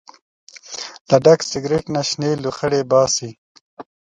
له ډک سګرټ نه شنې لوخړې باسي.